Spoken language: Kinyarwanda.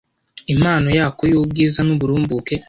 impano yako y’ubwiza n’uburumbuke